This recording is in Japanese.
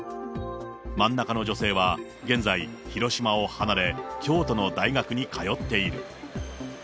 真ん中の女性は現在、広島を離れ、京都の大学に通っている。